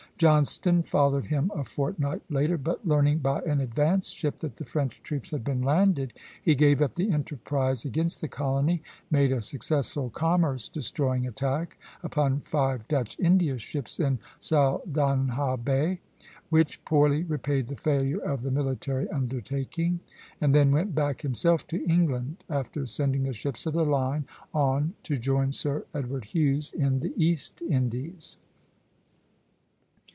Johnstone followed him a fortnight later; but learning by an advance ship that the French troops had been landed, he gave up the enterprise against the colony, made a successful commerce destroying attack upon five Dutch India ships in Saldanha Bay, which poorly repaid the failure of the military undertaking, and then went back himself to England, after sending the ships of the line on to join Sir Edward Hughes in the East Indies.